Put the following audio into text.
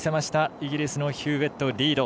イギリスのヒューウェット、リード。